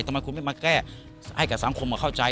ทำไมคุณไม่มาแก้ให้กับสังคมมาเข้าใจ